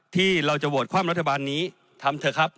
ที่เราจะโหวตความรัฐบาลนี้ทำเถอะครับ